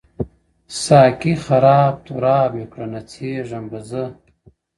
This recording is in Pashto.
ساقي خراب تراب مي کړه نڅېږم به زه!!